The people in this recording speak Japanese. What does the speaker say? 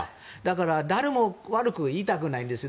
だから誰も悪く言いたくないんですよ。